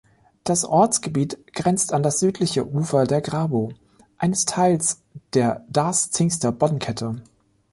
Das Ortsgebiet grenzt an das südliche Ufer der Grabow, eines Teils der Darß-Zingster Boddenkette.